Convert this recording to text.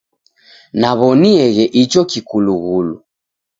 Naw'onieghe icho kikulughulu.